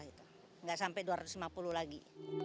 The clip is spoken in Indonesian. tidak sampai dua ratus lima puluh lagi